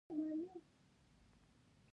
د دوی اقتصاد ډیر ظرفیت لري.